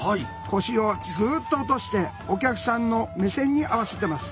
腰をグッと落としてお客さんの目線に合わせてます！